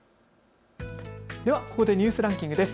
ではここでニュースランキングです。